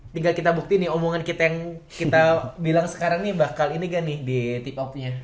tinggal kita buktiin omongan kita yang kita bilang sekarang nih bakal ini gak nih di tip of nya